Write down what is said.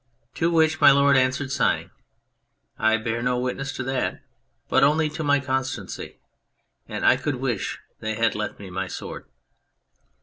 To which My Lord answered, sighing, " I bear no witness to that, but only to my constancy, and I could wish that they had left me my sword."